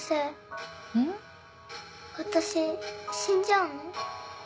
私死んじゃうの？